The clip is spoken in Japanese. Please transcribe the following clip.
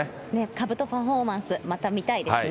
かぶとパフォーマンス、また見たいですね。